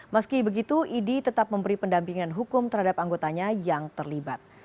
meski begitu idi tetap memberi pendampingan hukum terhadap anggotanya yang terlibat